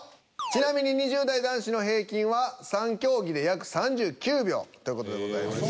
ちなみに２０代男子の平均は３競技で約３９秒という事でございます。